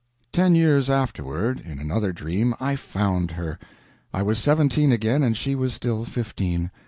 Ten years afterward, in another dream, I found her. I was seventeen again, and she was still fifteen.